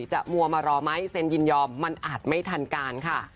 มัวมารอไหมเซ็นยินยอมมันอาจไม่ทันการค่ะ